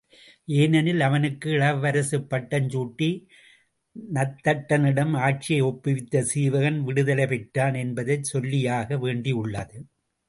ஏனெனில் அவனுக்கு இளவரசு பட்டம் சூட்டி நந்தட்டனிடம் ஆட்சியை ஒப்புவித்து சீவகன் விடுதலை பெற்றான் என்பதைச் சொல்லியாக வேண்டியுள்ளது.